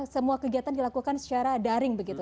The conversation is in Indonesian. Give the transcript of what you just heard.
semua kegiatan dilakukan secara daring begitu